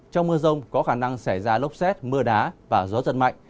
trong mưa rông có khả năng xảy ra lốc xét mưa đá và gió giật mạnh